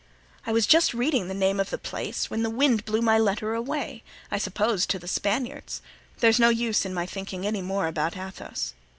I was just reading the name of the place when the wind blew my letter away, I suppose to the Spaniards; there's no use in thinking any more about Athos.